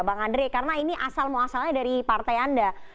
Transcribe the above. bang andre karena ini asal muasalnya dari partai anda